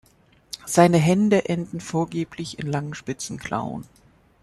Seine Hände enden vorgeblich in langen, spitzen Klauen.